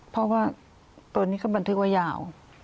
เพราะว่าตัวนี้ก็บันทึกว่ายาว